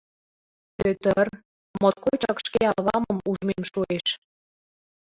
— Пӧты-ыр, моткочак шке авамым ужмем шуэш.